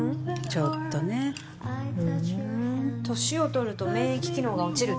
ちょっとねふうん歳を取ると免疫機能が落ちるっていうでしょ